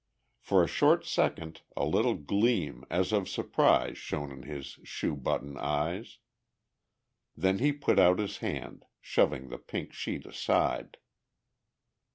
For a short second a little gleam as of surprise shone in his shoe button eyes. Then he put out his hand, shoving the pink sheet aside.